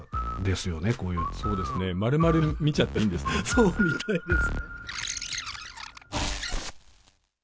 そうみたいです。